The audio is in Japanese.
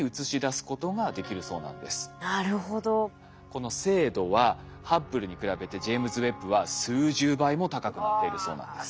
この精度はハッブルに比べてジェイムズ・ウェッブは数十倍も高くなっているそうなんです。